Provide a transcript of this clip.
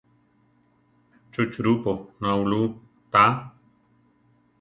¿Chu churúpo naulú tá?